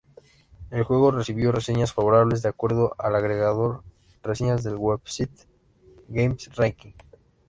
El juego recibió reseñas "favorables" de acuerdo al agregador reseñas del website GameRankings.